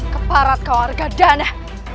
keparat kau warga dana